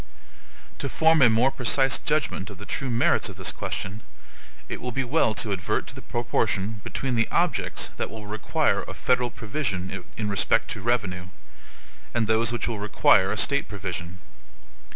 To form a more precise judgment of the true merits of this question, it will be well to advert to the proportion between the objects that will require a federal provision in respect to revenue, and those which will require a State provision.